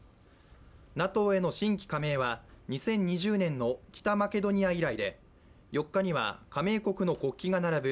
ＮＡＴＯへの新規加盟は２０２０年の北マケドニア以来で４日には加盟国の国旗が並ぶ